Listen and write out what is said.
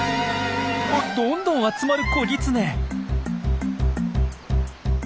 どんどん集まる子ぎつね！